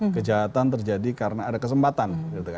kejahatan terjadi karena ada kesempatan